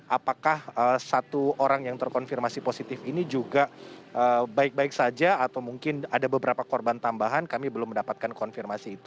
apakah satu orang yang terkonfirmasi positif ini juga baik baik saja atau mungkin ada beberapa korban tambahan kami belum mendapatkan konfirmasi itu